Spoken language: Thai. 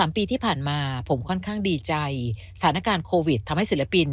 ปีที่ผ่านมาผมค่อนข้างดีใจสถานการณ์โควิดทำให้ศิลปิน